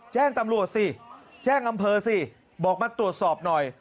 แจ้งตำรวจสิแจ้งอำเภอสิบอกมาตรวจสอบหน่อย